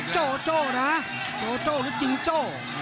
โจโจโจโจจริงโจ